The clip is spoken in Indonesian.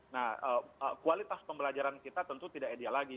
nah kualitas pembelajaran kita tentu tidak ideal lagi